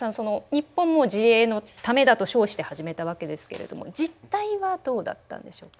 日本も自衛のためだと称して始めたわけですけれども実態はどうだったんでしょうか？